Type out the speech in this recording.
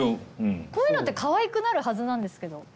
こういうのってかわいくなるはずなんですけど。